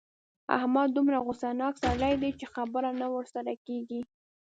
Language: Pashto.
احمد دومره غوسناک سړی دی چې خبره نه ورسره کېږي.